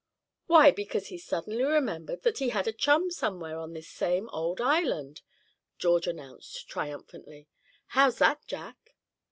"Why, because he suddenly remembered that he had a chum somewhere on this same old island," George announced, triumphantly; "how's that, Jack?"